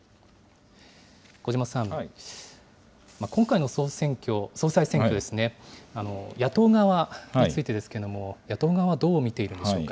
小嶋さん、今回の総裁選挙ですね、野党側についてですけれども、野党側はどう見ているんでしょうか。